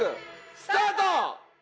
スタート！